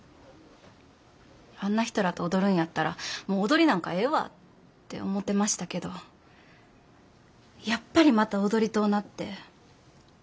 あんな人らと踊るんやったらもう踊りなんかええわって思うてましたけどやっぱりまた踊りとうなって。